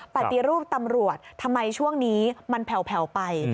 ปฏิรูปตำรวจทำไมช่วงนี้มันแผ่วไป